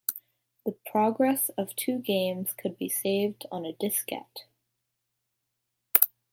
The progress of two games could be saved on a diskette.